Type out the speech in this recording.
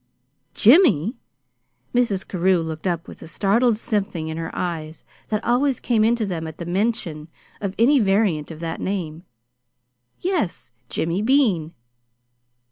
"JIMMY?" Mrs. Carew looked up with the startled something in her eyes that always came into them at the mention of any variant of that name. "Yes; Jimmy Bean."